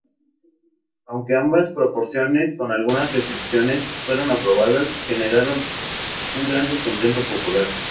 Aunque ambas proposiciones, con algunas restricciones, fueron aprobadas, generaron un gran descontento popular.